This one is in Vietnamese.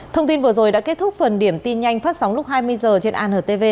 thông tin vừa rồi đã kết thúc phần điểm tin nhanh phát sóng lúc hai mươi h trên antv